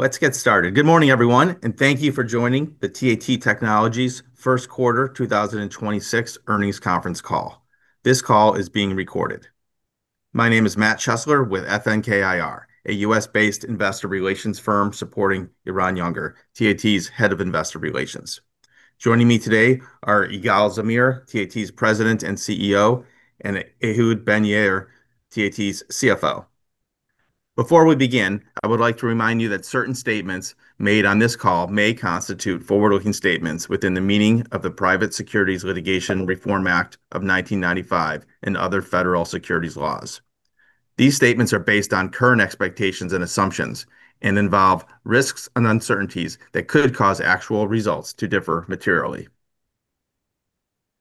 Let's get started. Good morning, everyone, and thank you for joining the TAT Technologies first quarter 2026 earnings conference call. This call is being recorded. My name is Matt Chesler with FNK IR, a U.S.-based investor relations firm supporting Eran Yunger, TAT's Head of Investor Relations. Joining me today are Igal Zamir, TAT's President and CEO, and Ehud Ben-Yair, TAT's CFO. Before we begin, I would like to remind you that certain statements made on this call may constitute forward-looking statements within the meaning of the Private Securities Litigation Reform Act of 1995 and other federal securities laws. These statements are based on current expectations and assumptions and involve risks and uncertainties that could cause actual results to differ materially.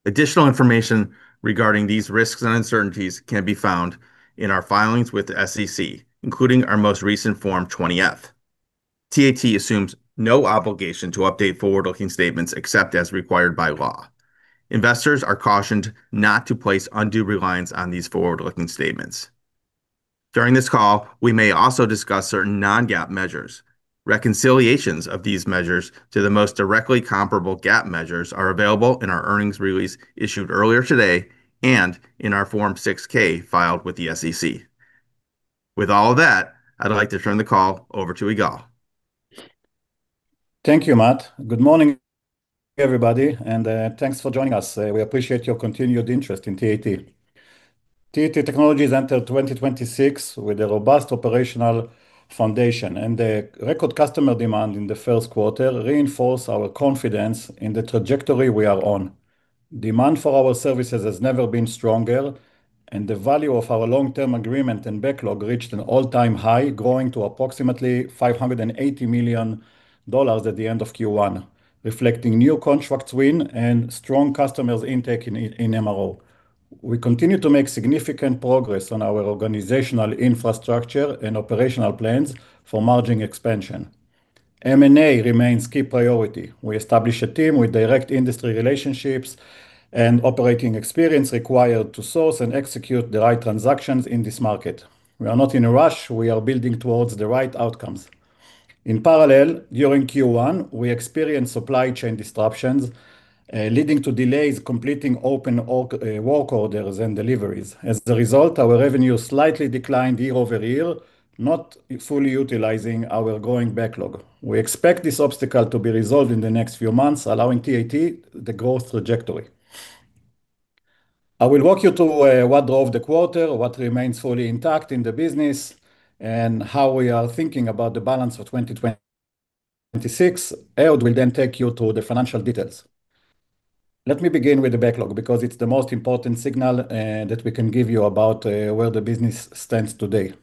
Additional information regarding these risks and uncertainties can be found in our filings with the SEC, including our most recent Form 20-F. TAT assumes no obligation to update forward-looking statements except as required by law. Investors are cautioned not to place undue reliance on these forward-looking statements. During this call, we may also discuss certain non-GAAP measures. Reconciliations of these measures to the most directly comparable GAAP measures are available in our earnings release issued earlier today and in our Form 6-K filed with the SEC. With all that, I'd like to turn the call over to Igal. Thank you, Matt. Good morning, everybody, and thanks for joining us. We appreciate your continued interest in TAT. TAT Technologies has entered 2026 with a robust operational foundation, and the record customer demand in the first quarter reinforce our confidence in the trajectory we are on. Demand for our services has never been stronger, and the value of our long-term agreement and backlog reached an all-time high, growing to approximately $580 million at the end of Q1, reflecting new contracts win and strong customers intake in MRO. We continue to make significant progress on our organizational infrastructure and operational plans for margin expansion. M&A remains key priority. We establish a team with direct industry relationships and operating experience required to source and execute the right transactions in this market. We are not in a rush. We are building towards the right outcomes. In parallel, during Q1, we experienced supply chain disruptions, leading to delays completing open work orders and deliveries. As a result, our revenue slightly declined year-over-year, not fully utilizing our growing backlog. We expect this obstacle to be resolved in the next few months, allowing TAT the growth trajectory. I will walk you through what drove the quarter, what remains fully intact in the business, and how we are thinking about the balance of 2026. Ehud will take you through the financial details. Let me begin with the backlog because it's the most important signal that we can give you about where the business stands today.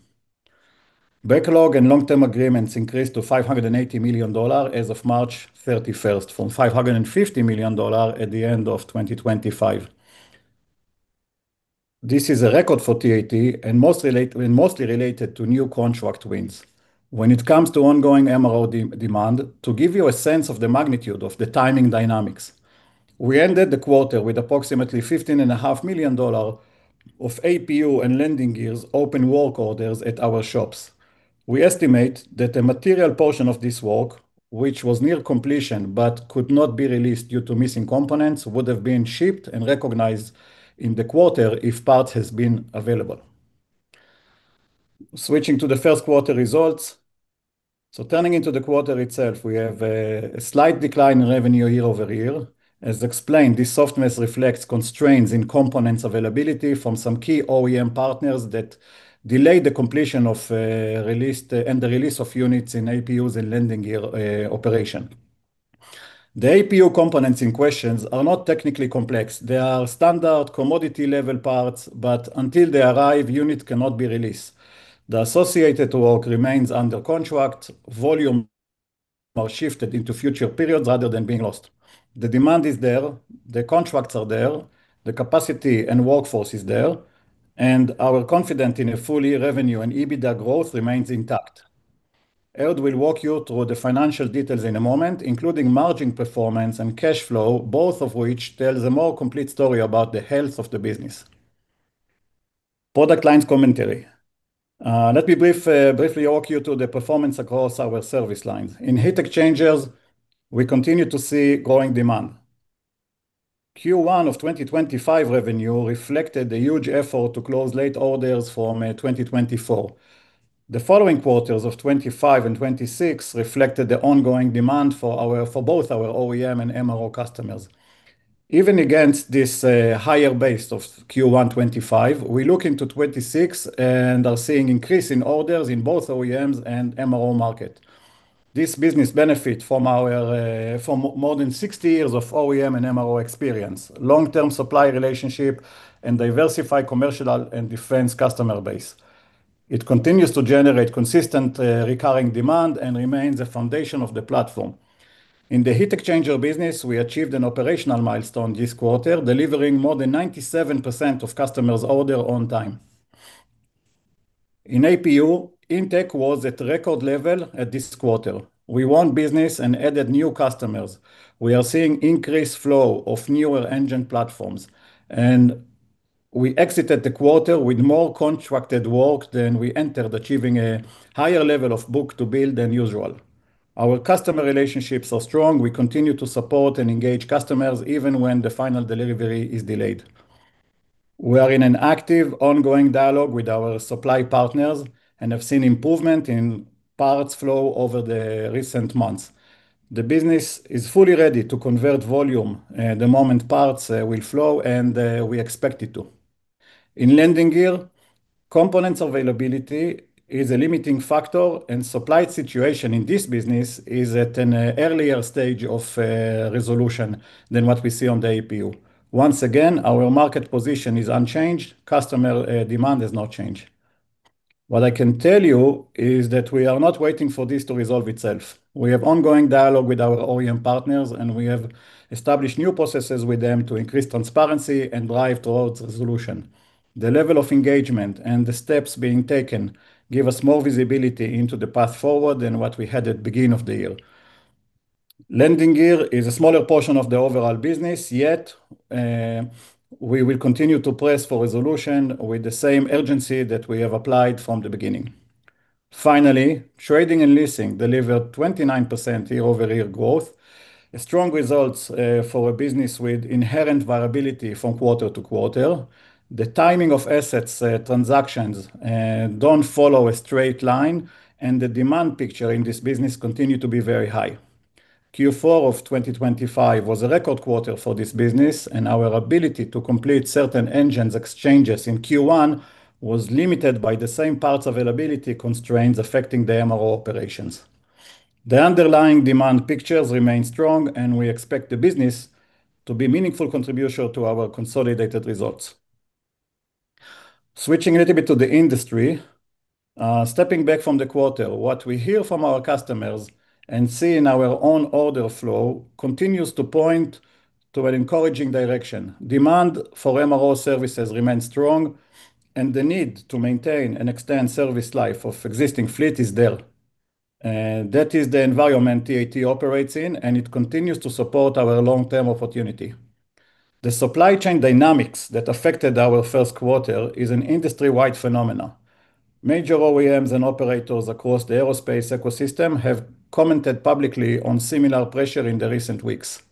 Backlog and long-term agreements increased to $580 million as of March 31st, from $550 million at the end of 2025. This is a record for TAT and mostly related to new contract wins. When it comes to ongoing MRO demand, to give you a sense of the magnitude of the timing dynamics, we ended the quarter with approximately $15.5 million of APU and landing gears open work orders at our shops. We estimate that a material portion of this work, which was near completion but could not be released due to missing components, would have been shipped and recognized in the quarter if parts has been available. Switching to the first quarter results. Turning into the quarter itself, we have a slight decline in revenue year-over-year. As explained, this softness reflects constraints in components availability from some key OEM partners that delayed the completion of and the release of units in APUs and landing gear operation. The APU components in question are not technically complex. They are standard commodity-level parts, but until they arrive, units cannot be released. The associated work remains under contract. Volumes are shifted into future periods rather than being lost. The demand is there, the contracts are there, the capacity and workforce is there, and our confidence in a full year revenue and EBITDA growth remains intact. Ehud will walk you through the financial details in a moment, including margin performance and cash flow, both of which tell a more complete story about the health of the business. Product lines commentary. Let me briefly walk you through the performance across our service lines. In heat exchangers, we continue to see growing demand. Q1 of 2025 revenue reflected a huge effort to close late orders from 2024. The following quarters of 2025 and 2026 reflected the ongoing demand for both our OEM and MRO customers. Even against this higher base of Q1 2025, we look into 2026 and are seeing increase in orders in both OEMs and MRO market. This business benefit from our from more than 60 years of OEM and MRO experience, long-term supply relationship, and diversified commercial and defense customer base. It continues to generate consistent recurring demand and remains a foundation of the platform. In the heat exchanger business, we achieved an operational milestone this quarter, delivering more than 97% of customers' order on time. In APU, intake was at record level at this quarter. We won business and added new customers. We are seeing increased flow of newer engine platforms. We exited the quarter with more contracted work than we entered, achieving a higher level of book-to-bill than usual. Our customer relationships are strong. We continue to support and engage customers even when the final delivery is delayed. We are in an active ongoing dialogue with our supply partners and have seen improvement in parts flow over the recent months. The business is fully ready to convert volume the moment parts will flow, and we expect it to. In landing gear, components availability is a limiting factor, and supply situation in this business is at an earlier stage of resolution than what we see on the APU. Once again, our market position is unchanged. Customer demand has not changed. What I can tell you is that we are not waiting for this to resolve itself. We have ongoing dialogue with our OEM partners, and we have established new processes with them to increase transparency and drive towards resolution. The level of engagement and the steps being taken give us more visibility into the path forward than what we had at beginning of the year. Landing gear is a smaller portion of the overall business, yet we will continue to press for resolution with the same urgency that we have applied from the beginning. Finally, trading and leasing delivered 29% year-over-year growth. A strong results for a business with inherent variability from quarter to quarter. The timing of assets, transactions, don't follow a straight line, and the demand picture in this business continue to be very high. Q4 of 2025 was a record quarter for this business, and our ability to complete certain engines exchanges in Q1 was limited by the same parts availability constraints affecting the MRO operations. The underlying demand pictures remain strong, and we expect the business to be meaningful contribution to our consolidated results. Switching a little bit to the industry. Stepping back from the quarter, what we hear from our customers and see in our own order flow continues to point to an encouraging direction. Demand for MRO services remains strong, and the need to maintain and extend service life of existing fleet is there. That is the environment TAT operates in, and it continues to support our long-term opportunity. The supply chain dynamics that affected our first quarter is an industry-wide phenomena. Major OEMs and operators across the aerospace ecosystem have commented publicly on similar pressure in the recent weeks.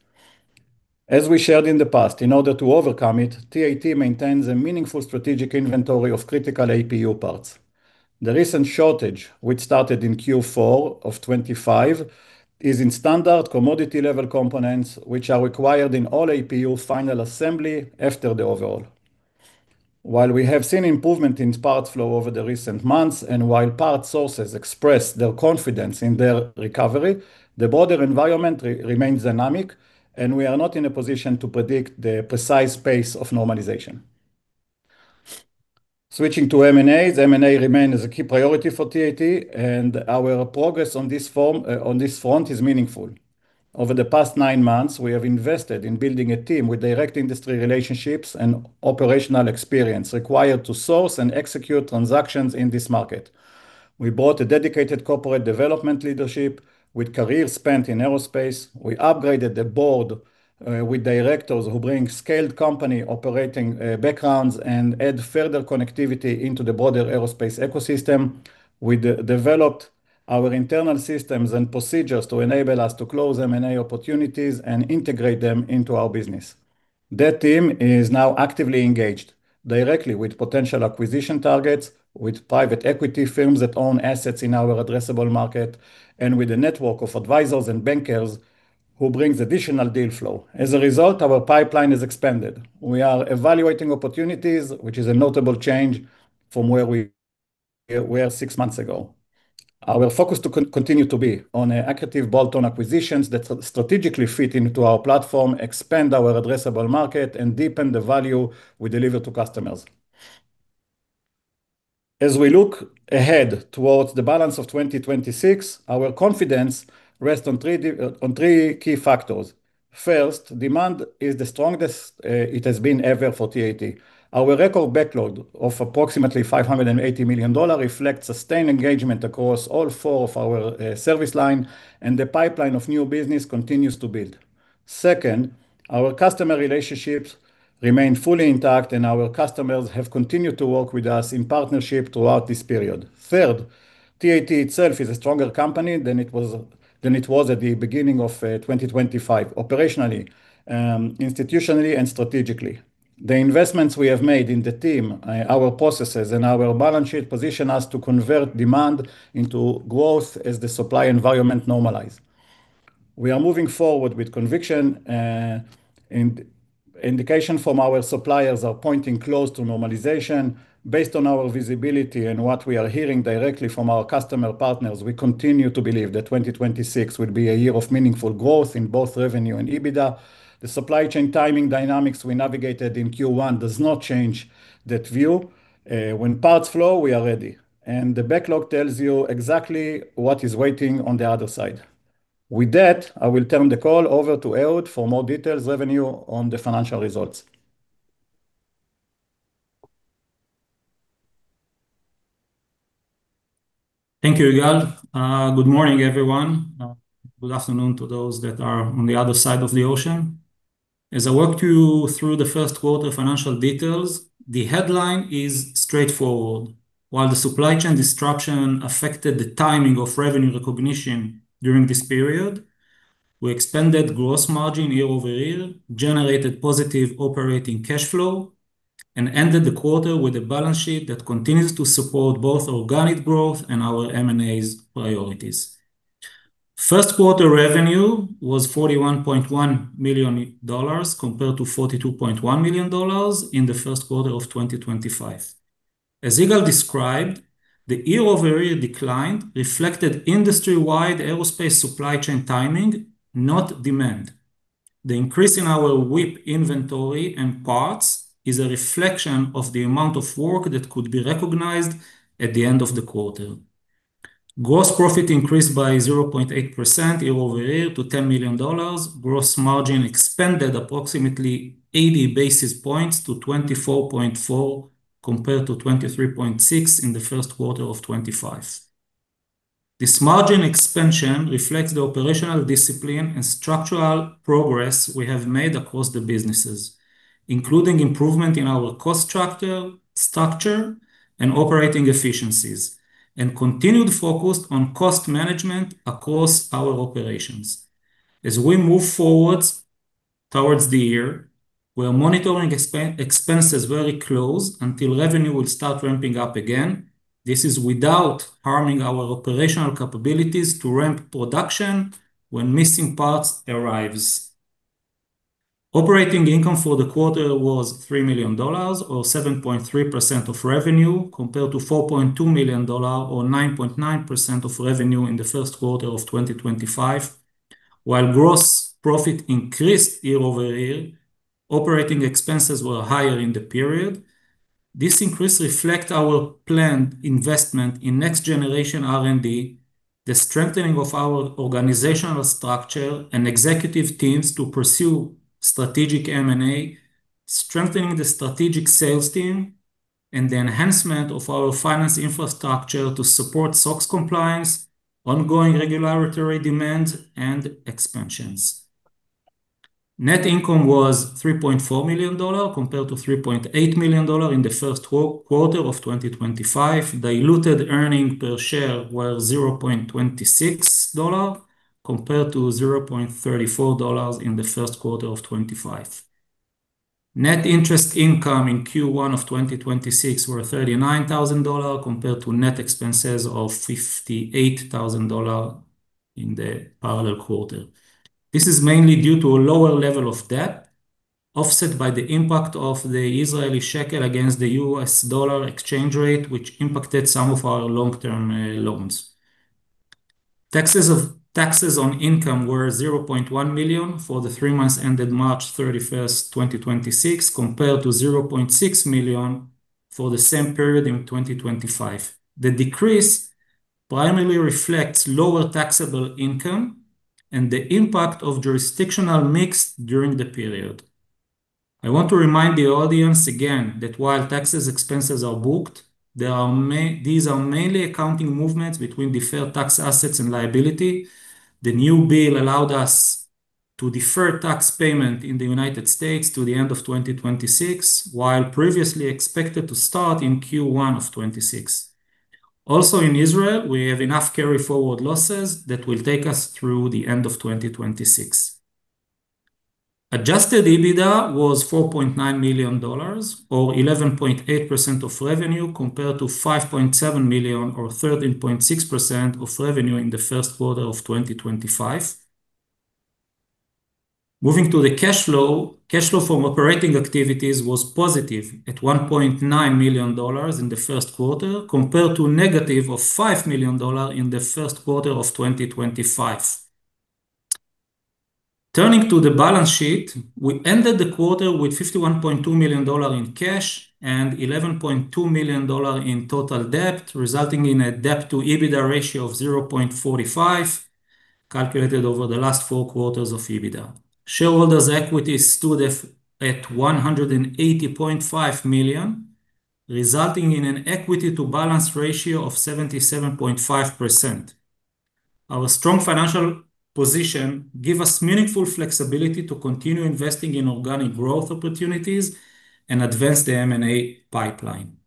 As we shared in the past, in order to overcome it, TAT maintains a meaningful strategic inventory of critical APU parts. The recent shortage, which started in Q4 of 2025, is in standard commodity-level components, which are required in all APU final assembly after the overhaul. While we have seen improvement in parts flow over the recent months and while parts sources express their confidence in their recovery, the broader environment remains dynamic, and we are not in a position to predict the precise pace of normalization. Switching to M&As. M&A remain as a key priority for TAT, and our progress on this front is meaningful. Over the past nine months, we have invested in building a team with direct industry relationships and operational experience required to source and execute transactions in this market. We brought a dedicated corporate development leadership with careers spent in aerospace. We upgraded the board with directors who bring scaled company operating backgrounds and add further connectivity into the broader aerospace ecosystem. We developed our internal systems and procedures to enable us to close M&A opportunities and integrate them into our business. That team is now actively engaged directly with potential acquisition targets, with private equity firms that own assets in our addressable market, and with a network of advisors and bankers who bring additional deal flow. Our pipeline is expanded. We are evaluating opportunities, which is a notable change from where we were six months ago. Our focus to continue to be on accretive bolt-on acquisitions that strategically fit into our platform, expand our addressable market, and deepen the value we deliver to customers. As we look ahead towards the balance of 2026, our confidence rests on three key factors. First, demand is the strongest it has been ever for TAT. Our record backlog of approximately $580 million reflects sustained engagement across all four of our service line, and the pipeline of new business continues to build. Second, our customer relationships remain fully intact, and our customers have continued to work with us in partnership throughout this period. Third, TAT itself is a stronger company than it was at the beginning of 2025, operationally, institutionally and strategically. The investments we have made in the team, our processes, and our balance sheet position us to convert demand into growth as the supply environment normalize. We are moving forward with conviction. Indication from our suppliers are pointing close to normalization. Based on our visibility and what we are hearing directly from our customer partners, we continue to believe that 2026 will be a year of meaningful growth in both revenue and EBITDA. The supply chain timing dynamics we navigated in Q1 does not change that view. When parts flow, we are ready, and the backlog tells you exactly what is waiting on the other side. With that, I will turn the call over to Ehud for more details revenue on the financial results. Thank you, Igal. Good morning, everyone. Good afternoon to those that are on the other side of the ocean. As I walk you through the first quarter financial details, the headline is straightforward. While the supply chain disruption affected the timing of revenue recognition during this period, we expanded gross margin year-over-year, generated positive operating cash flow, and ended the quarter with a balance sheet that continues to support both organic growth and our M&A priorities. First quarter revenue was $41.1 million compared to $42.1 million in the first quarter of 2025. As Igal described, the year-over-year decline reflected industry-wide aerospace supply chain timing, not demand. The increase in our WIP inventory and parts is a reflection of the amount of work that could be recognized at the end of the quarter. Gross profit increased by 0.8% year-over-year to $10 million. Gross margin expanded approximately 80 basis points to 24.4%, compared to 23.6% in the first quarter of 2025. This margin expansion reflects the operational discipline and structural progress we have made across the businesses, including improvement in our cost structure and operating efficiencies and continued focus on cost management across our operations. As we move forward towards the year, we're monitoring expenses very close until revenue will start ramping up again. This is without harming our operational capabilities to ramp production when missing parts arrives. Operating income for the quarter was $3 million or 7.3% of revenue, compared to $4.2 million dollar or 9.9% of revenue in the first quarter of 2025. While gross profit increased year over year, operating expenses were higher in the period. This increase reflect our planned investment in next generation R&D, the strengthening of our organizational structure and executive teams to pursue strategic M&A, strengthening the strategic sales team, and the enhancement of our finance infrastructure to support SOX compliance, ongoing regulatory demands, and expansions. Net income was $3.4 million compared to $3.8 million in the first quarter of 2025. Diluted earnings per share was $0.26 compared to $0.34 in the first quarter of 2025. Net interest income in Q1 of 2026 were $39,000 compared to net expenses of $58,000 in the parallel quarter. This is mainly due to a lower level of debt, offset by the impact of the Israeli shekel against the U.S. dollar exchange rate, which impacted some of our long-term loans. Taxes on income were 0.1 million for the three months ended March 31st, 2026, compared to 0.6 million for the same period in 2025. The decrease primarily reflects lower taxable income and the impact of jurisdictional mix during the period. I want to remind the audience again that while taxes expenses are booked, these are mainly accounting movements between deferred tax assets and liability. The new bill allowed us to defer tax payment in the United States to the end of 2026, while previously expected to start in Q1 of 2026. Also in Israel, we have enough carry-forward losses that will take us through the end of 2026. Adjusted EBITDA was $4.9 million, or 11.8% of revenue, compared to $5.7 million or 13.6% of revenue in the first quarter of 2025. Moving to the cash flow, cash flow from operating activities was positive at $1.9 million in the first quarter, compared to negative of $5 million in the first quarter of 2025. Turning to the balance sheet, we ended the quarter with $51.2 million in cash and $11.2 million in total debt, resulting in a debt-to-EBITDA ratio of 0.45, calculated over the last four quarters of EBITDA. Shareholders' equity stood at $180.5 million, resulting in an equity to total assets ratio of 77.5%. Our strong financial position give us meaningful flexibility to continue investing in organic growth opportunities and advance the M&A pipeline.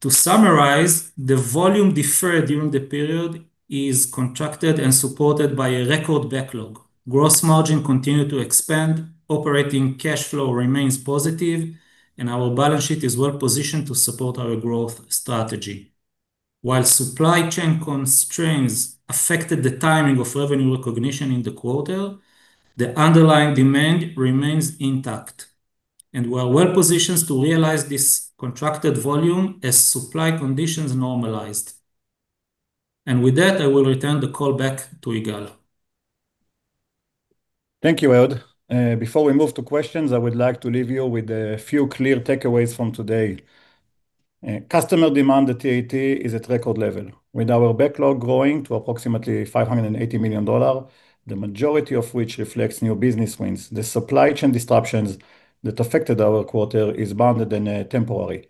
To summarize, the volume deferred during the period is contracted and supported by a record backlog. Gross margin continue to expand, operating cash flow remains positive, and our balance sheet is well-positioned to support our growth strategy. While supply chain constraints affected the timing of revenue recognition in the quarter, the underlying demand remains intact, and we're well-positioned to realize this contracted volume as supply conditions normalized. With that, I will return the call back to Igal. Thank you, Ehud. Before we move to questions, I would like to leave you with a few clear takeaways from today. Customer demand at TAT is at record level, with our backlog growing to approximately $580 million, the majority of which reflects new business wins. The supply chain disruptions that affected our quarter is bounded and temporary.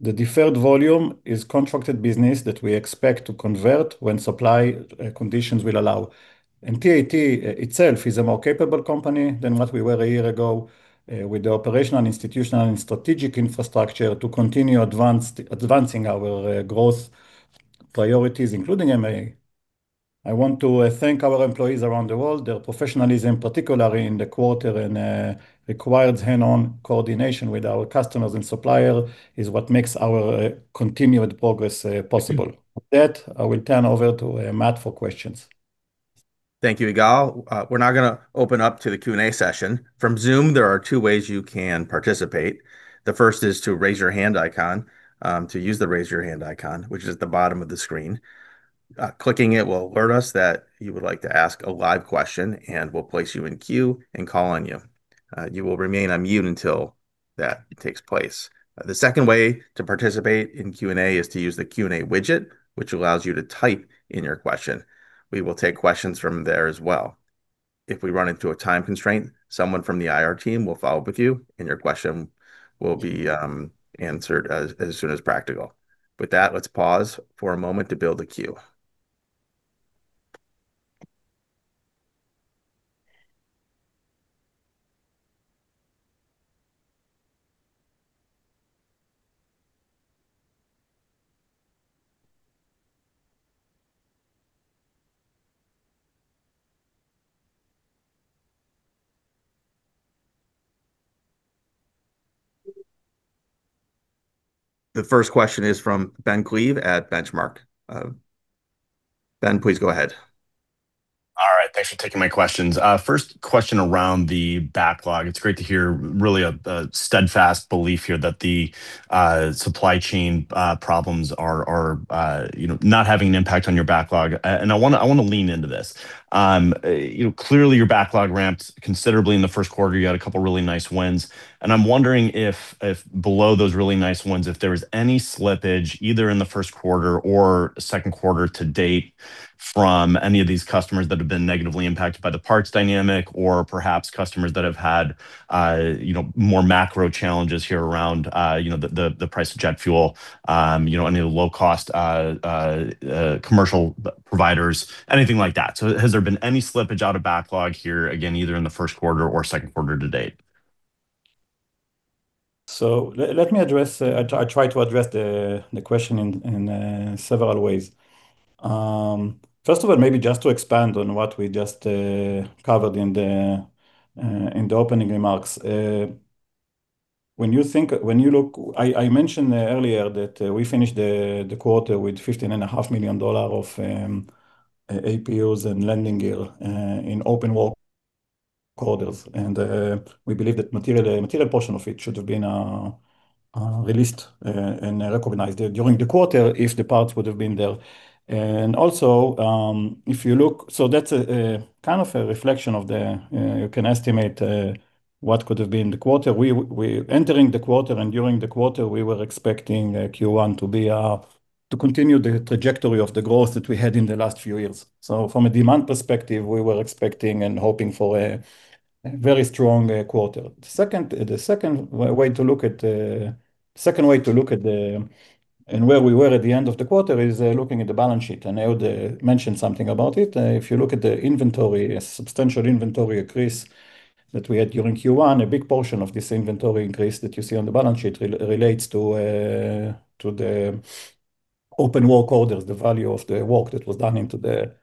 The deferred volume is contracted business that we expect to convert when supply conditions will allow. TAT itself is a more capable company than what we were a year ago, with the operational, institutional, and strategic infrastructure to continue advancing our growth priorities, including M&A. I want to thank our employees around the world. Their professionalism, particularly in the quarter and required hands-on coordination with our customers and supplier is what makes our continued progress possible. With that, I will turn over to Matt for questions. Thank you, Igal. We're now going to open up to the Q&A session. From Zoom, there are two ways you can participate. The first is to use the raise your hand icon, which is at the bottom of the screen. Clicking it will alert us that you would like to ask a live question, and we'll place you in queue and call on you. You will remain on mute until that takes place. The second way to participate in Q&A is to use the Q&A widget, which allows you to type in your question. We will take questions from there as well. If we run into a time constraint, someone from the IR team will follow up with you, and your question will be answered as soon as practical. With that, let's pause for a moment to build a queue. The first question is from Ben Klieve at Benchmark. Ben, please go ahead. All right, thanks for taking my questions. First question around the backlog. It's great to hear really a steadfast belief here that the supply chain problems are, you know, not having an impact on your backlog. I wanna lean into this. You know, clearly your backlog ramped considerably in the first quarter. You had a couple really nice wins, and I'm wondering if below those really nice wins, if there was any slippage, either in the first quarter or second quarter to date from any of these customers that have been negatively impacted by the parts dynamic or perhaps customers that have had, you know, more macro challenges here around, you know, the price of jet fuel, you know, any of the low-cost commercial providers, anything like that. Has there been any slippage out of backlog here, again, either in the first quarter or second quarter to date? Let me address, I'll try to address the question in several ways. First of all, maybe just to expand on what we just covered in the opening remarks. I mentioned earlier that we finished the quarter with $15.5 million of APUs and landing gear in open work orders. We believe that material portion of it should have been released and recognized during the quarter if the parts would have been there. Also, that's a kind of a reflection of the, you can estimate what could have been the quarter. Entering the quarter and during the quarter, we were expecting Q1 to be to continue the trajectory of the growth that we had in the last few years. From a demand perspective, we were expecting and hoping for a very strong quarter. The second way to look at, and where we were at the end of the quarter is looking at the balance sheet, and I already mentioned something about it. If you look at the inventory, a substantial inventory increase that we had during Q1, a big portion of this inventory increase that you see on the balance sheet relates to the open work orders, the value of the work that was done into the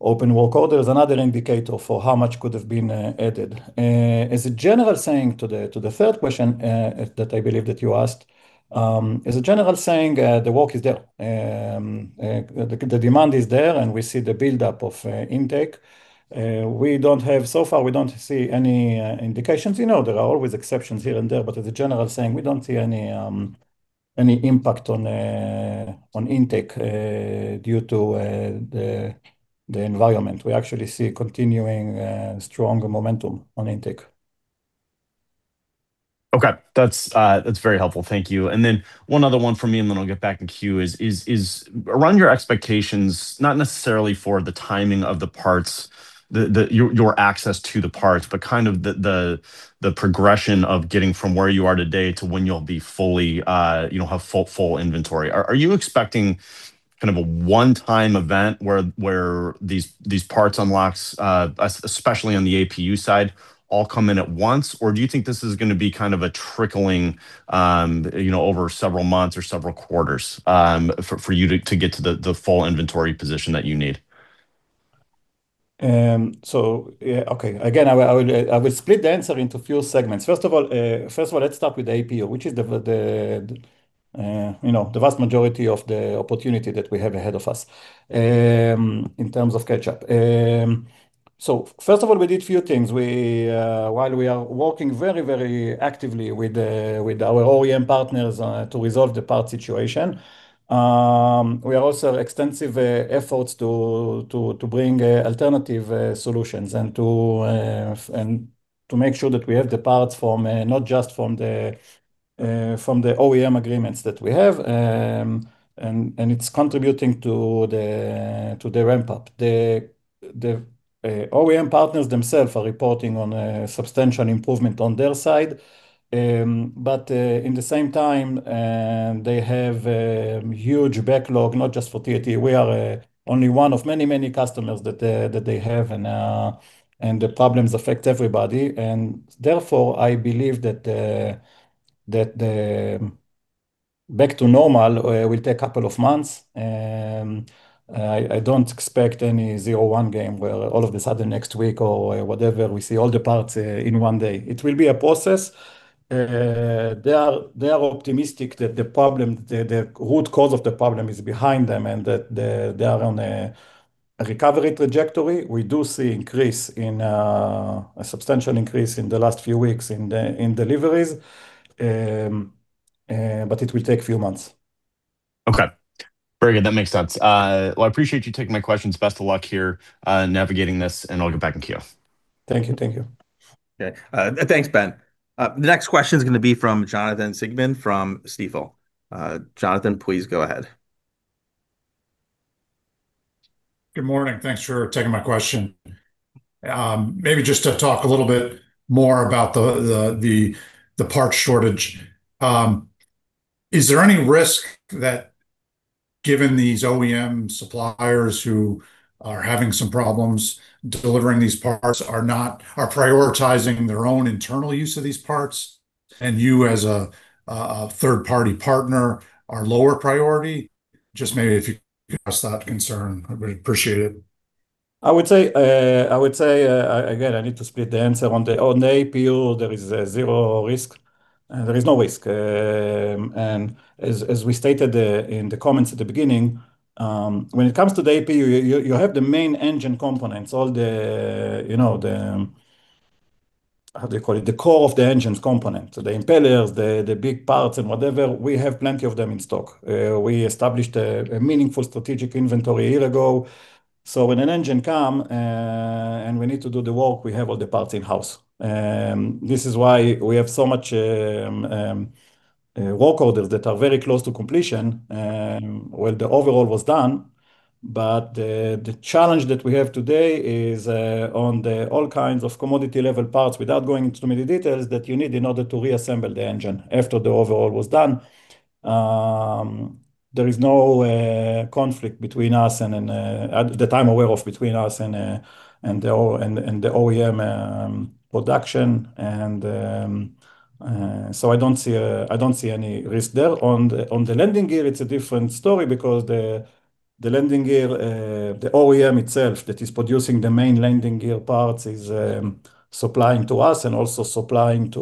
open work orders, another indicator for how much could have been added. As a general saying to the, to the third question, that I believe that you asked, as a general saying, the work is there. The demand is there, and we see the buildup of intake. So far, we don't see any indications. You know, there are always exceptions here and there, but as a general saying, we don't see any impact on intake due to the environment. We actually see continuing strong momentum on intake. Okay. That's very helpful. Thank you. Then one other one from me, and then I'll get back in queue, is around your expectations, not necessarily for the timing of the parts, your access to the parts, but kind of the progression of getting from where you are today to when you'll be fully, you know, have full inventory. Are you expecting kind of a one-time event where these parts unlocks, especially on the APU side, all come in at once? Or do you think this is gonna be kind of a trickling, you know, over several months or several quarters, for you to get to the full inventory position that you need? Yeah. Okay. Again, I will split the answer into few segments. First of all, let's start with APU, which is the, you know, the vast majority of the opportunity that we have ahead of us in terms of catch-up. First of all, we did few things. While we are working very, very actively with the, with our OEM partners to resolve the part situation, we have also extensive efforts to bring alternative solutions and to make sure that we have the parts from not just from the OEM agreements that we have. And it's contributing to the ramp-up. The OEM partners themselves are reporting on a substantial improvement on their side. In the same time, they have a huge backlog, not just for TAT. We are only one of many, many customers that they have, and the problems affect everybody. Therefore, I believe that back to normal will take couple months. I don't expect any zero to one game where all of the sudden next week or whatever we see all the parts in one day. It will be a process. They are optimistic that the problem, the root cause of the problem is behind them, and that they are on a recovery trajectory. We do see increase in a substantial increase in the last few weeks in deliveries. It will take few months. Okay. Very good. That makes sense. Well, I appreciate you taking my questions. Best of luck here, navigating this. I'll get back in queue. Thank you. Thank you. Okay. Thanks, Ben. The next question is gonna be from Jonathan Siegmann from Stifel. Jonathan, please go ahead. Good morning. Thanks for taking my question. Maybe just to talk a little bit more about the parts shortage. Is there any risk that given these OEM suppliers who are having some problems delivering these parts are prioritizing their own internal use of these parts, and you as a third-party partner are lower priority? Just maybe if you could address that concern, I would appreciate it. I would say, again, I need to split the answer. On the APU, there is zero risk. There is no risk. As we stated in the comments at the beginning, when it comes to the APU, you have the main engine components, all the, you know, the, how do you call it? The core of the engines component. The impellers, the big parts and whatever, we have plenty of them in stock. We established a meaningful strategic inventory a year ago. When an engine come and we need to do the work, we have all the parts in-house. This is why we have so much work orders that are very close to completion, where the overall was done. The challenge that we have today is on the all kinds of commodity level parts, without going into too many details, that you need in order to reassemble the engine after the overhaul was done. There is no conflict between us and at the time aware of between us and the OEM production. I don't see any risk there. On the landing gear, it's a different story because the landing gear, the OEM itself that is producing the main landing gear parts is supplying to us and also supplying to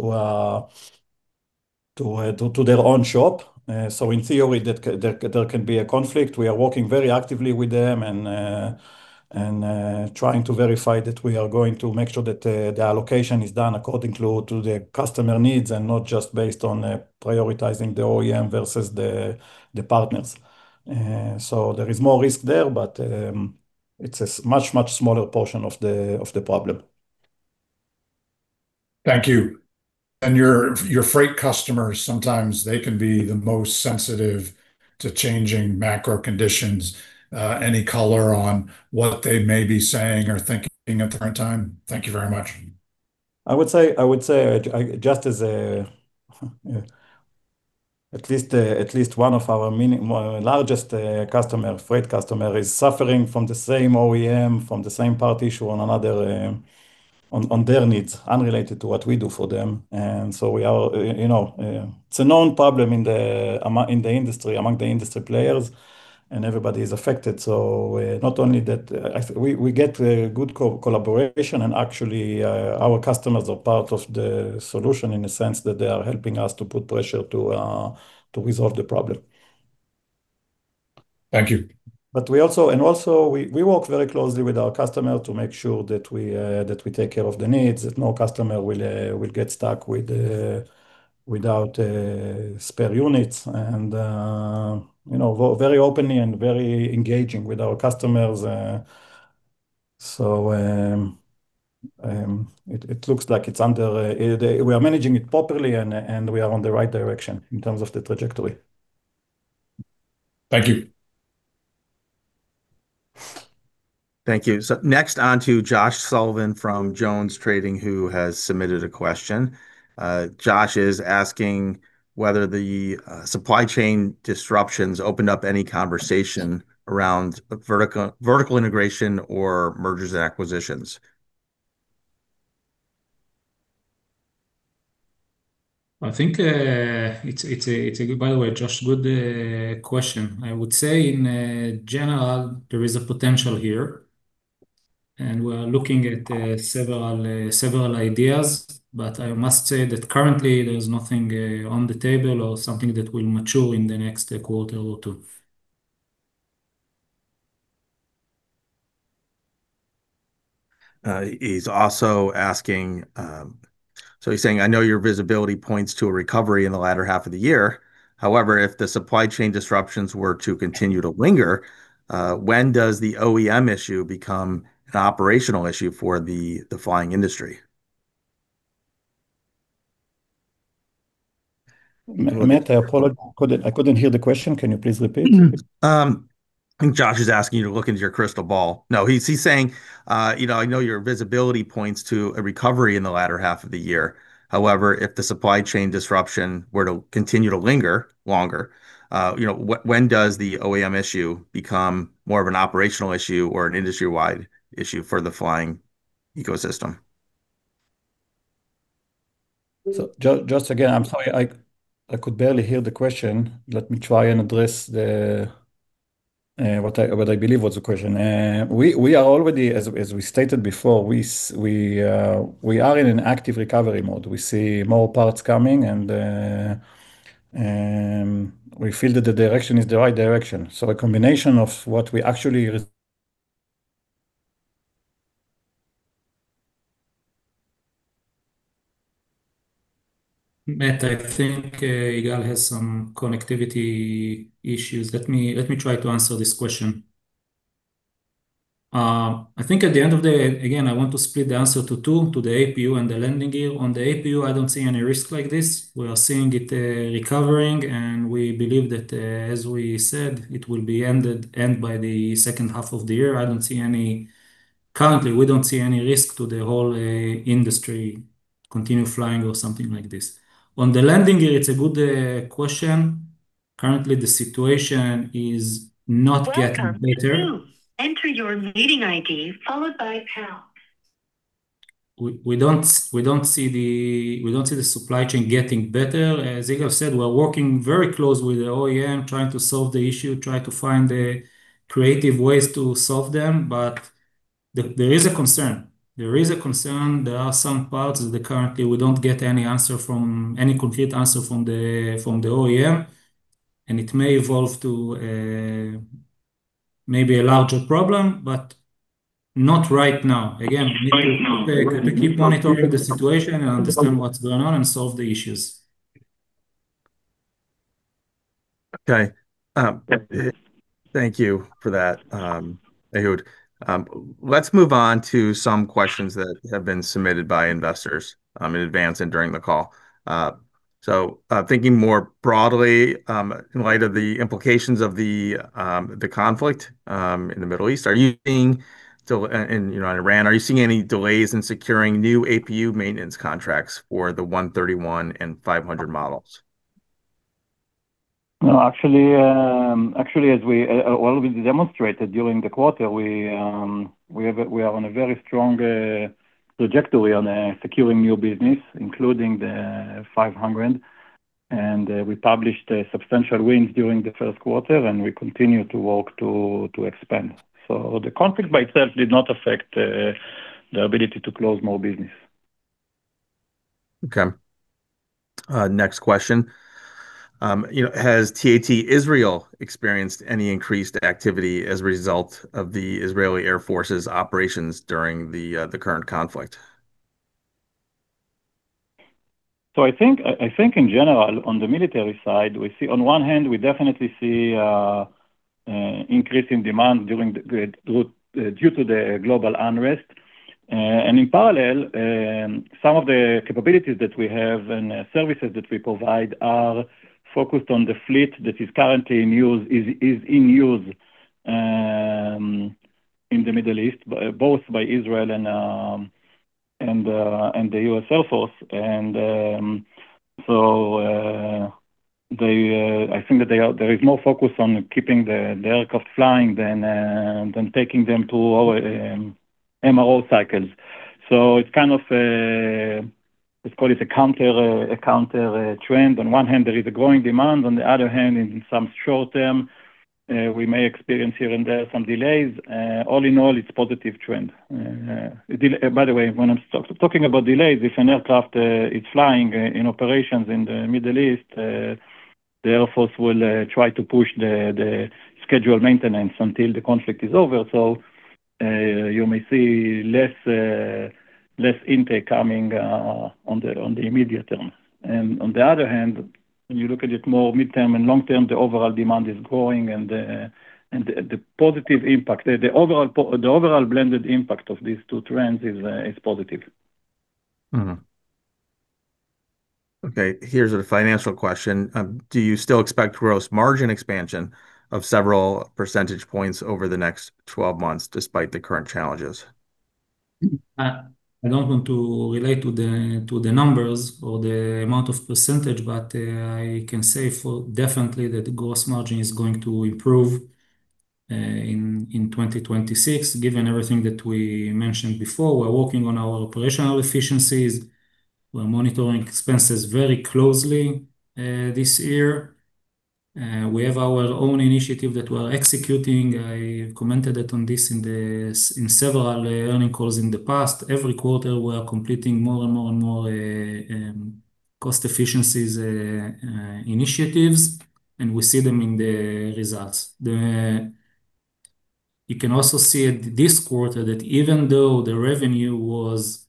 their own shop. In theory, there can be a conflict. We are working very actively with them and trying to verify that we are going to make sure that the allocation is done according to the customer needs and not just based on prioritizing the OEM versus the partners. There is more risk there, but it's a much, much smaller portion of the problem. Thank you. Your freight customers, sometimes they can be the most sensitive to changing macro conditions. Any color on what they may be saying or thinking at the current time? Thank you very much. I would say, at least one of our largest customer, freight customer is suffering from the same OEM, from the same part issue on another, on their needs, unrelated to what we do for them. We are, you know, It's a known problem in the industry, among the industry players, and everybody is affected. Not only that, actually, we get good collaboration and actually, our customers are part of the solution in the sense that they are helping us to put pressure to resolve the problem. Thank you. We work very closely with our customer to make sure that we take care of the needs, that no customer will get stuck without spare units and, you know, very openly and very engaging with our customers. It looks like it's under, we are managing it properly and we are on the right direction in terms of the trajectory. Thank you. Thank you. Next on to Josh Sullivan from JonesTrading, who has submitted a question. Josh is asking whether the supply chain disruptions opened up any conversation around vertical integration or mergers and acquisitions. I think, By the way, Josh, good question. I would say in general, there is a potential here, and we are looking at several ideas. I must say that currently there's nothing on the table or something that will mature in the next quarter or two. He's also asking, he's saying, ''I know your visibility points to a recovery in the latter half of the year. However, if the supply chain disruptions were to continue to linger, when does the OEM issue become an operational issue for the flying industry?'' Matt, I apologize. I couldn't hear the question. Can you please repeat? I think Josh is asking you to look into your crystal ball. He's saying, you know, I know your visibility points to a recovery in the latter half of the year. If the supply chain disruption were to continue to linger longer, you know, when does the OEM issue become more of an operational issue or an industry-wide issue for the flying ecosystem? Just again, I'm sorry, I could barely hear the question. Let me try and address what I believe was the question. We are already, as we stated before, we are in an active recovery mode. We see more parts coming. We feel that the direction is the right direction. Matt, I think Igal has some connectivity issues. Let me try to answer this question. I think at the end of the day, again, I want to split the answer to two, to the APU and the landing gear. On the APU, I don't see any risk like this. We are seeing it recovering, and we believe that, as we said, it will be ended by the second half of the year. Currently, we don't see any risk to the whole industry continue flying or something like this. On the landing gear, it's a good question. Currently, the situation is not getting better. We don't see the supply chain getting better. As Igal said, we are working very close with the OEM trying to solve the issue, try to find the creative ways to solve them, but there is a concern. There is a concern. There are some parts that currently we don't get any answer from, any complete answer from the OEM, and it may evolve to maybe a larger problem, but not right now. Again, we need to keep monitoring the situation and understand what's going on and solve the issues. Okay. Thank you for that, Ehud. Let's move on to some questions that have been submitted by investors, in advance and during the call. Thinking more broadly, in light of the implications of the conflict in the Middle East, and, you know, on Iran, are you seeing any delays in securing new APU maintenance contracts for the 131 and 500 models? No, actually, well, we demonstrated during the quarter, we are on a very strong trajectory on securing new business, including the 500, and we published a substantial win during the first quarter, and we continue to work to expand. The conflict by itself did not affect the ability to close more business. Okay. Next question. You know, has TAT Israel experienced any increased activity as a result of the Israeli Air Force's operations during the current conflict? I think, I think in general, on the military side, we see On one hand, we definitely see increase in demand due to the global unrest. In parallel, some of the capabilities that we have and services that we provide are focused on the fleet that is currently in use, is in use in the Middle East, both by Israel and the U.S. Air Force. I think that there is more focus on keeping the aircraft flying than taking them to our MRO cycles. It's kind of, let's call it a counter trend. On one hand, there is a growing demand. On the other hand, in some short term, we may experience here and there some delays. All in all, it's positive trend. By the way, when I'm talking about delays, if an aircraft is flying in operations in the Middle East, the Air Force will try to push the scheduled maintenance until the conflict is over. You may see less less intake coming on the immediate term. On the other hand, when you look at it more midterm and long term, the overall demand is growing, and the positive impact, the overall blended impact of these two trends is positive. Okay, here's a financial question. Do you still expect gross margin expansion of several percentage points over the next 12 months despite the current challenges? I don't want to relate to the numbers or the amount of percentage, but I can say for definitely that gross margin is going to improve in 2026, given everything that we mentioned before. We're working on our operational efficiencies. We're monitoring expenses very closely this year. We have our own initiative that we're executing. I commented on this in several earnings calls in the past. Every quarter, we are completing more and more cost efficiencies initiatives, and we see them in the results. You can also see it this quarter that even though the revenue was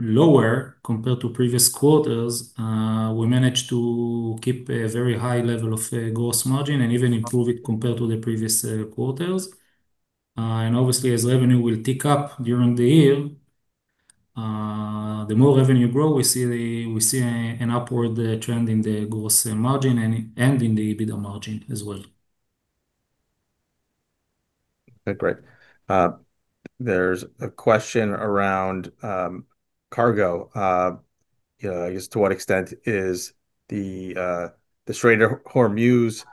lower compared to previous quarters, we managed to keep a very high level of gross margin and even improve it compared to the previous quarters. Obviously, as revenue will tick up during the year. The more revenue grow, we see a an upward trend in the gross margin and in the EBITDA margin as well. Okay, great. There's a question around cargo. You know, I guess to what extent is the Strait of Hormuz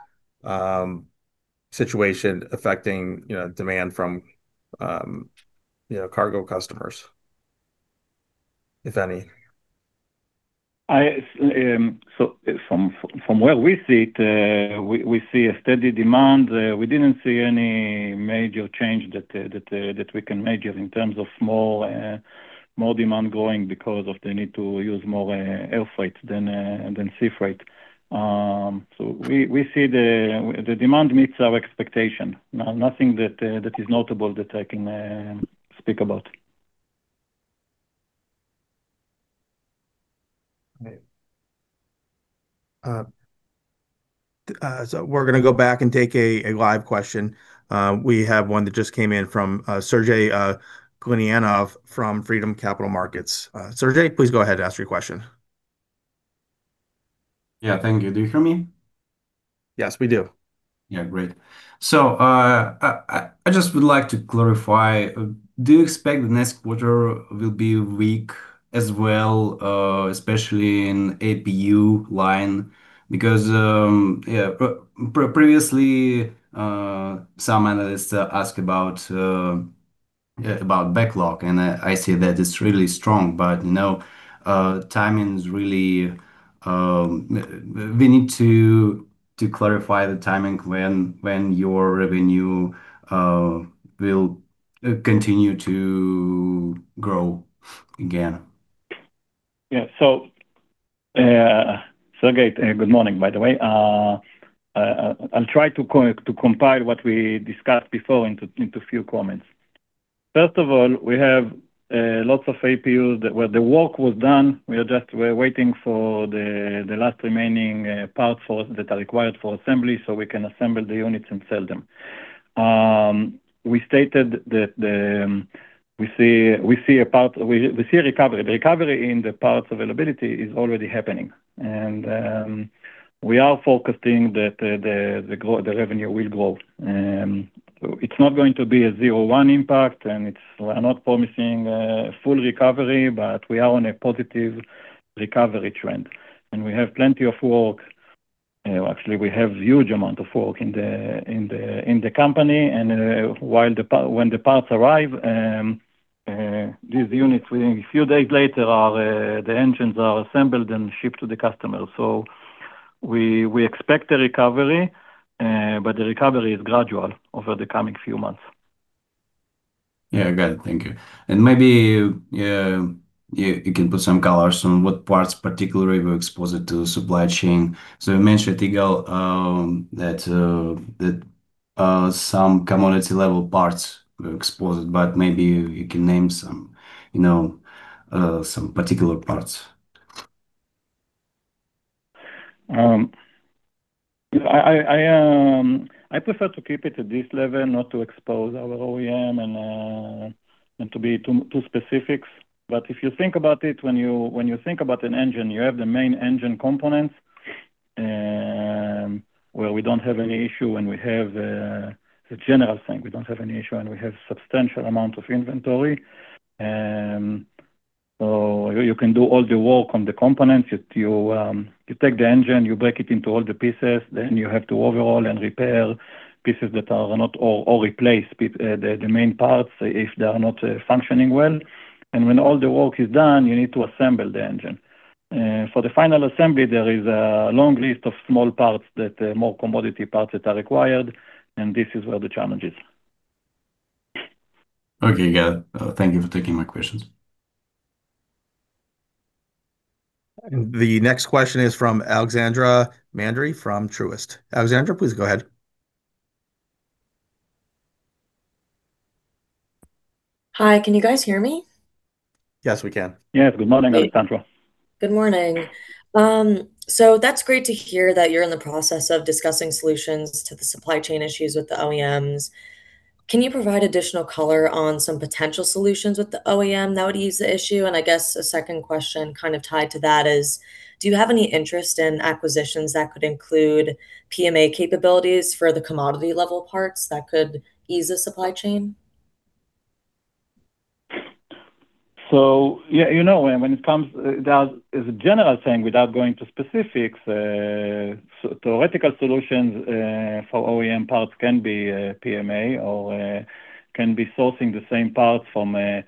situation affecting, you know, demand from, you know, cargo customers, if any? I, from where we sit, we see a steady demand. We didn't see any major change that we can measure in terms of more demand going because of the need to use more air freight than sea freight. We see the demand meets our expectation. Nothing that is notable that I can speak about. Right. We're gonna go back and take a live question. We have one that just came in from Sergey Glinyanov from Freedom Capital Markets. Sergey, please go ahead, ask your question. Yeah. Thank you. Do you hear me? Yes, we do. Yeah, great. I just would like to clarify, do you expect the next quarter will be weak as well, especially in APU line? Previously, some analysts ask about, yeah, about backlog, and I see that it's really strong. No, timing's really. We need to clarify the timing when your revenue will continue to grow again. Sergey, good morning, by the way. I'll try to compile what we discussed before into a few comments. First of all, we have lots of APUs that, where the work was done. We are just, we're waiting for the last remaining parts that are required for assembly, so we can assemble the units and sell them. We stated that we see a recovery. The recovery in the parts availability is already happening, and we are forecasting that the revenue will grow. It's not going to be a zero to one impact, and we're not promising a full recovery, but we are on a positive recovery trend. We have plenty of work. Actually we have huge amount of work in the company. While when the parts arrive, these units within a few days later, the engines are assembled and shipped to the customer. We expect a recovery, but the recovery is gradual over the coming few months. Yeah. Got it. Thank you. Maybe you can put some colors on what parts particularly were exposed to supply chain. You mentioned, Igal, that some commodity level parts were exposed, but maybe you can name some, you know, some particular parts. I prefer to keep it at this level, not to expose our OEM and to be too specifics. If you think about it, when you think about an engine, you have the main engine components, where we don't have any issue, and we have the general thing. We don't have any issue, and we have substantial amount of inventory. You can do all the work on the components. You take the engine, you break it into all the pieces, then you have to overhaul and repair pieces that are not, or replace the main parts if they are not functioning well. When all the work is done, you need to assemble the engine. For the final assembly, there is a long list of small parts that, more commodity parts that are required, and this is where the challenge is. Okay. Got it. Thank you for taking my questions. The next question is from Alexandra Mandery from Truist. Alexandra, please go ahead. Hi. Can you guys hear me? Yes, we can. Yeah. Good morning, Alexandra. Good morning. That's great to hear that you're in the process of discussing solutions to the supply chain issues with the OEMs. Can you provide additional color on some potential solutions with the OEM that would ease the issue? I guess a second question kind of tied to that is, do you have any interest in acquisitions that could include PMA capabilities for the commodity level parts that could ease the supply chain? Yeah, you know, when it comes, that as a general thing, without going to specifics, theoretical solutions for OEM parts can be PMA or can be sourcing the same parts from other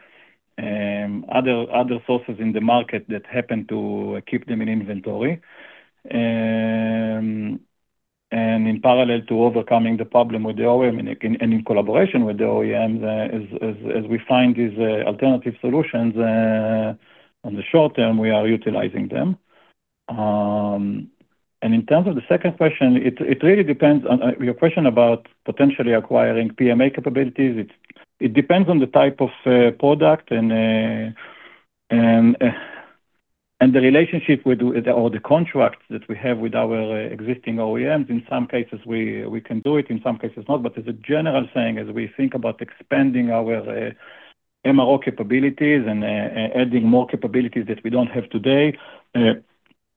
sources in the market that happen to keep them in inventory. And in parallel to overcoming the problem with the OEM, and in collaboration with the OEMs, as we find these alternative solutions on the short term, we are utilizing them. In terms of the second question, it really depends on Your question about potentially acquiring PMA capabilities, it depends on the type of product and the relationship we do or the contracts that we have with our existing OEMs, in some cases we can do it, in some cases not. As a general saying, as we think about expanding our MRO capabilities and adding more capabilities that we don't have today,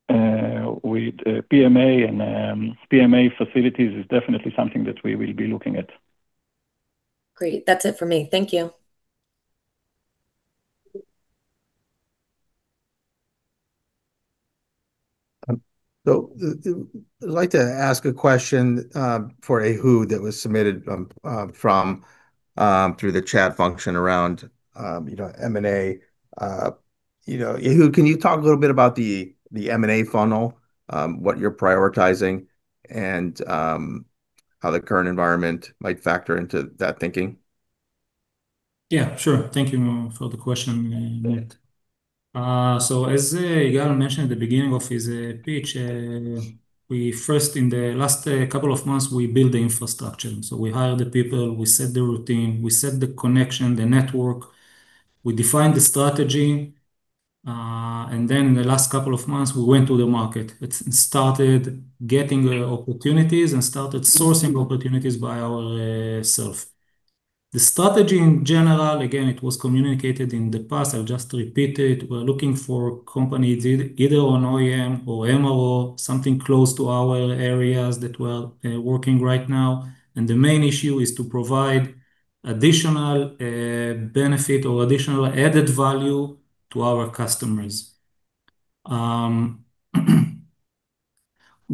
with PMA and PMA facilities is definitely something that we will be looking at. Great. That's it for me. Thank you. I'd like to ask a question for Ehud that was submitted from through the chat function around, you know, M&A. You know, Ehud, can you talk a little bit about the M&A funnel, what you're prioritizing and how the current environment might factor into that thinking? Yeah, sure. Thank you for the question, Matt. As Igal mentioned at the beginning of his pitch, we first, in the last couple of months, built the infrastructure. We hired the people, we set the routine, we set the connection, the network, we defined the strategy. In the last couple of months, we went to the market. It started getting opportunities and started sourcing opportunities by our self. The strategy in general, again, it was communicated in the past, I'll just repeat it. We're looking for companies, either an OEM or MRO, something close to our areas that we're working right now. The main issue is to provide additional benefit or additional added value to our customers.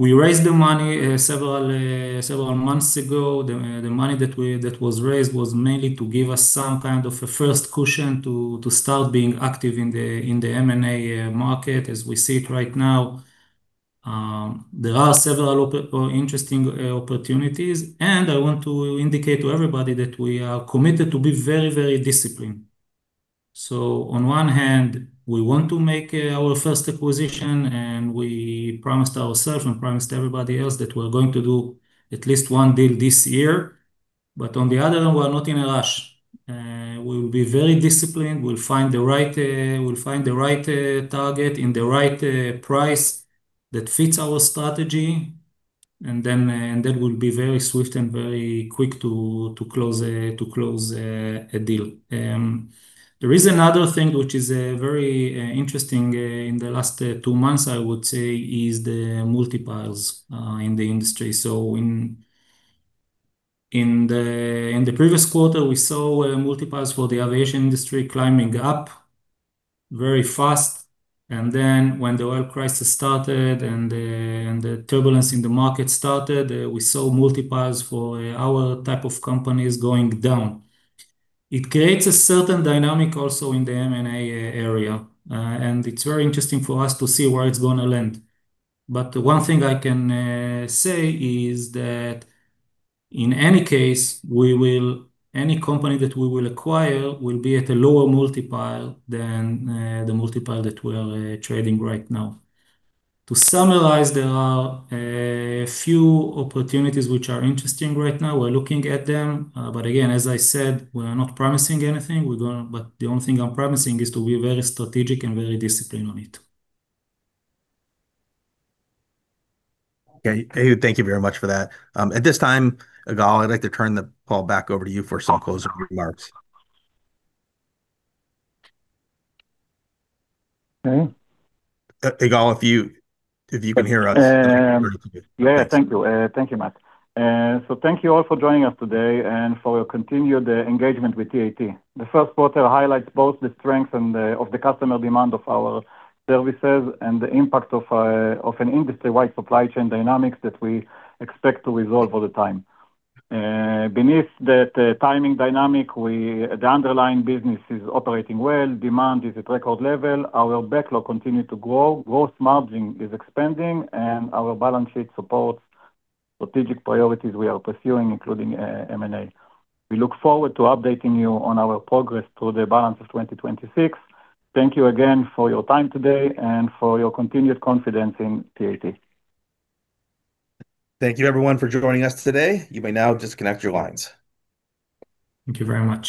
We raised the money several months ago. The money that was raised was mainly to give us some kind of a first cushion to start being active in the M&A market as we see it right now. There are several interesting opportunities, and I want to indicate to everybody that we are committed to be very disciplined. On one hand, we want to make our first acquisition, and we promised ourselves and promised everybody else that we're going to do at least one deal this year. On the other hand, we are not in a rush. We will be very disciplined. We'll find the right target in the right price that fits our strategy. Then, and then we'll be very swift and very quick to close a, to close a deal. There is another thing which is very interesting in the last two months, I would say, is the multiples in the industry. In the previous quarter, we saw multiples for the aviation industry climbing up very fast. Then when the oil crisis started and the turbulence in the market started, we saw multiples for our type of companies going down. It creates a certain dynamic also in the M&A area. It's very interesting for us to see where it's gonna land. The one thing I can say is that in any case, any company that we will acquire will be at a lower multiple than the multiple that we are trading right now. To summarize, there are a few opportunities which are interesting right now. We're looking at them. Again, as I said, we are not promising anything. The only thing I'm promising is to be very strategic and very disciplined on it. Ehud, thank you very much for that. At this time, Igal, I'd like to turn the call back over to you for some closing remarks. Okay. Igal, if you can hear us, We're good. Thanks. Yeah, thank you. Thank you, Matt. Thank you all for joining us today and for your continued engagement with TAT. The first quarter highlights both the strength of the customer demand of our services and the impact of an industry-wide supply chain dynamics that we expect to resolve over time. Beneath that timing dynamic, the underlying business is operating well. Demand is at record level. Our backlog continue to grow. Gross margin is expanding, and our balance sheet supports strategic priorities we are pursuing, including M&A. We look forward to updating you on our progress through the balance of 2026. Thank you again for your time today and for your continued confidence in TAT. Thank you everyone for joining us today. Thank you very much.